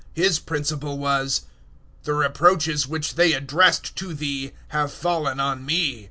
His principle was, "The reproaches which they addressed to Thee have fallen on me."